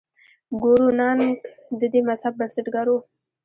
ګورو نانک د دې مذهب بنسټګر و.